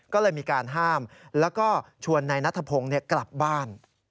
ก็เลยมีการห้ามแล้วก็ชวนนายนัทพงศ์กลับบ้าน